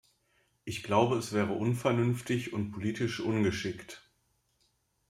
Ich glaube, es wäre unvernünftig und politisch ungeschickt.